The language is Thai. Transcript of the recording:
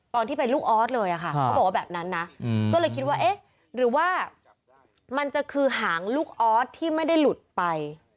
ตอนที่เป็นลูกออสเลยค่ะเขาบอกว่าแบบนั้นนะก็เลยคิดว่าเอ๊ะหรือว่ามันจะคือหางลูกออสที่ไม่ได้หลุดไป